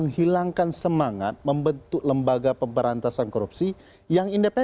saya marissa bryce tiana dan sebagai tentu saja sebagai pentingnya kita harus begitu maksimal badan thema